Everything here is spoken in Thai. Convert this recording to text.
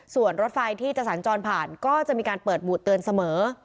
ส่วนรถไฟที่จะสัญจรผ่านก็จะมีการเปิดบูดเตือนเสมอ